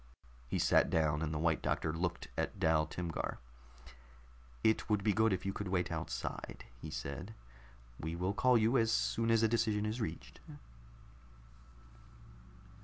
He sat down, and the White Doctor looked at Dal Timgar. "It would be good if you would wait outside," he said. "We will call you as soon as a decision is reached."